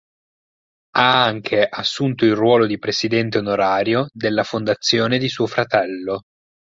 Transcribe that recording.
Ha anche assunto il ruolo di presidente onorario della fondazione di suo fratello.